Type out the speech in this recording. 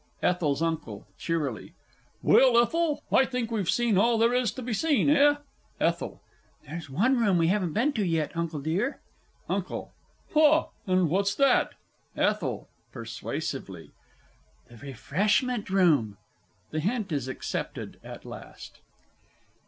ETHEL'S UNCLE (cheerily). Well, Ethel, I think we've seen all there is to be seen, eh? ETHEL. There's one room we haven't been into yet, Uncle, dear. UNCLE. Ha and what's that? ETHEL (persuasively). The Refreshment Room. [_The hint is accepted at last.